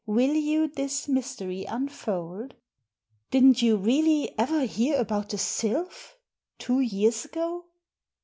Will you this mystery unfold?" "Didn't you really ever hear about the Sylph — two years ago?"